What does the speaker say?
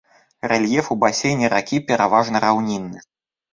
Рэльеф у басейне ракі пераважна раўнінны.